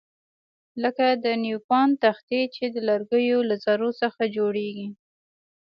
لکه د نیوپان تختې چې د لرګیو له ذرو څخه جوړیږي.